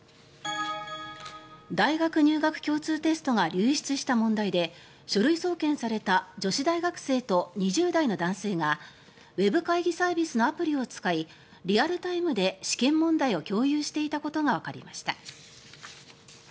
大学入学共通テストが流出した問題で書類送検された女子大学生と２０代の男性がウェブ会議サービスのアプリを使いリアルタイムで試験問題を共有していたことがわかりました。